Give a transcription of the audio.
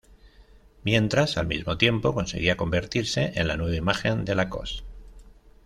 Mientras al mismo tiempo conseguía convertirse en la nueva imagen de Lacoste.